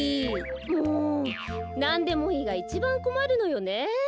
もう「なんでもいい」がいちばんこまるのよね。